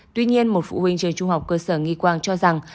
tuy nhiên một phụ huynh trường trung học cơ sở nghị quàng cho rằng